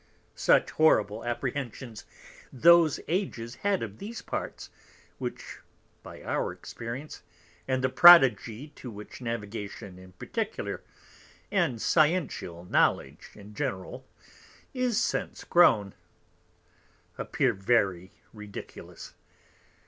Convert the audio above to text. _ Juv. Such horrid Apprehensions those Ages had of these Parts, which by our Experience, and the Prodigy to which Navigation in particular, and Sciential Knowledge in general, is since grown, appear very ridiculous.